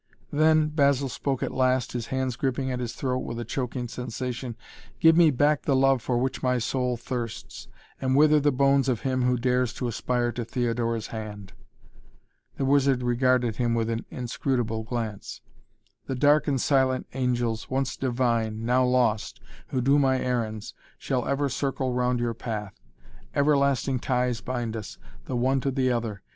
"Then," Basil spoke at last, his hands gripping his throat with a choking sensation, "give me back the love for which my soul thirsts and wither the bones of him who dares to aspire to Theodora's hand." The wizard regarded him with an inscrutable glance. "The dark and silent angels, once divine, now lost, who do my errands, shall ever circle round your path. Everlasting ties bind us, the one to the other.